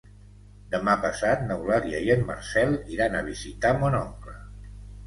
Demà passat n'Eulàlia i en Marcel iran a visitar mon oncle.